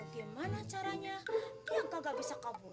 gimana caranya yang kagak bisa kabur